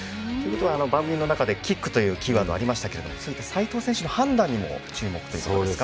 番組の中でキックというキーワードありましたけれど齋藤選手の判断にも注目ということですか。